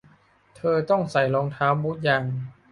เธอต้องใส่รองเท้าบูทยาง